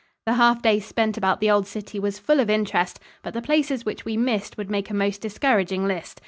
The half day spent about the old city was full of interest; but the places which we missed would make a most discouraging list.